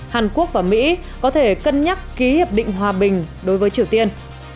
hàn quốc và mỹ có thể cân nhắc ký hiệp định hòa bình đối với triều tiên